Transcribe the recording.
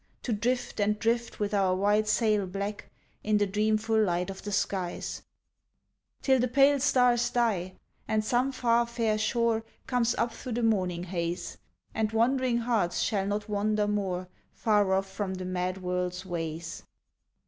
To drift and drift with our white sail black In the dreamful light of the skies, Till the pale stars die, and some far fair shore Comes up through the morning haze, And wandering hearts shall not wander more Far off from the mad world's ways.